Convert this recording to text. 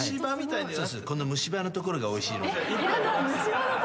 この虫歯のところがおいしいので。